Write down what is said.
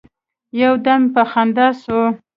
يو دم په خندا سو.